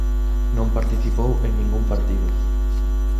Non participou en ningún partido.